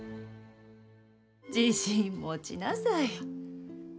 自信持ちなさい。